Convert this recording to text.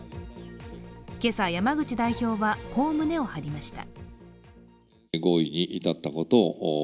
今朝、山口代表はこう胸を張りました。